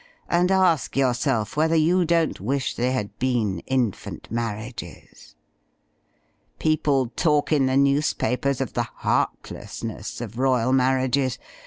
And ask yourself whether you don't wish they had been infant marriages! People talk in the newspapers of the heartlessness of royal marriages.